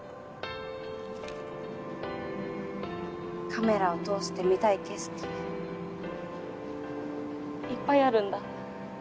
カメラを通して見たい景色いっぱいあるんだ。